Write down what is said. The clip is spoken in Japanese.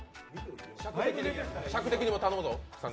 尺的にも頼むぞ。